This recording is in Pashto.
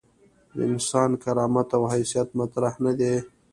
د انسان کرامت او حیثیت مطرح نه دي.